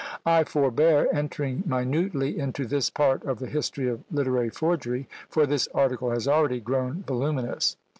I forbear entering minutely into this part of the history of literary forgery, for this article has already grown voluminous.